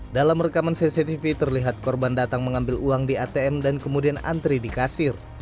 dalam rekaman cctv terlihat korban datang mengambil uang di atm dan kemudian antri di kasir